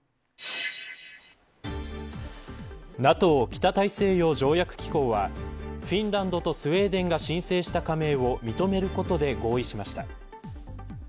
ＮＡＴＯ北大西洋条約機構はフィンランドとスウェーデンが申請した加盟を認めることで合意しました。